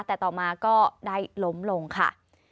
แต่ต่อมาก็ได้ล้มลงค่ะ